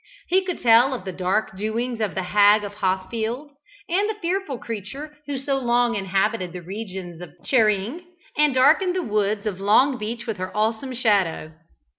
He could tell of the dark doings of the "Hag of Hothfield," and the fearful creature who so long inhabited the regions of Charing, and darkened the woods of Longbeach with her awesome shadow.